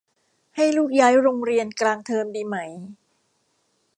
ให้ลูกย้ายโรงเรียนกลางเทอมดีไหม